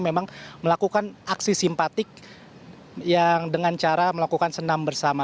memang melakukan aksi simpatik yang dengan cara melakukan senam bersama